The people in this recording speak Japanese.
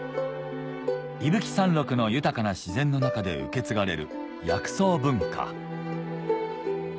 伊吹山麓の豊かな自然の中で受け継がれる薬草文化